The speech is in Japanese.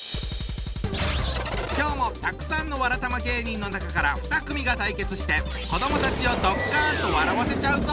今日もたくさんのわらたま芸人の中から２組が対決して子どもたちをドッカンと笑わせちゃうぞ！